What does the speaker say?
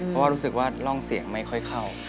เพราะว่ารู้สึกว่าร่องเสียงไม่ค่อยเข้า